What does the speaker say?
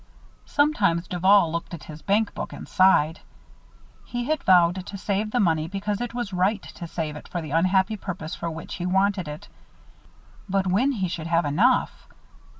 Sometimes Duval looked at his bankbook and sighed. He had vowed to save the money because it was right to save it for the unhappy purpose for which he wanted it. But when he should have enough!